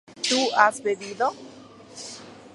¿tú has bebido?